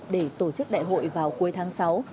để tổ chức đại hội vào cuối tháng sáu